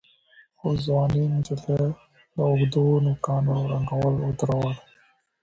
خو ځوانې نجلۍ د اوږدو نوکانو رنګول ودرول.